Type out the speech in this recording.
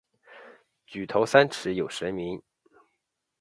举头三尺有神明。